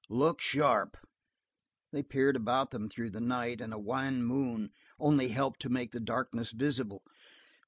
"Look sharp." They peered about them through the night, and a wan moon only helped to make the darkness visible.